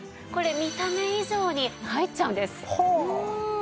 これ見た目以上に入っちゃうんです。